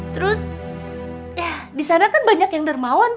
terus eh di sana kan banyak yang dermawan